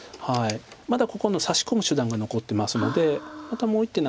まだここのサシ込む手段が残ってますのでまたもう一手